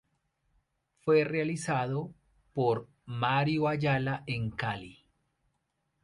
Fue realizado por Mario de Ayala en Cali.